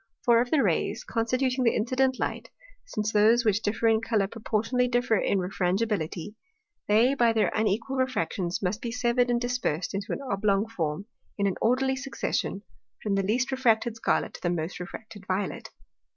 For, of the Rays, constituting the incident Light, since those which differ in Colour proportionally differ in Refrangibility, they by their unequal Refractions must be severed and dispersed into an oblong Form, in an orderly succession, from the least refracted Scarlet to the most refracted Violet.